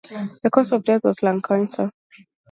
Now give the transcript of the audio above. The cause of death was lung cancer.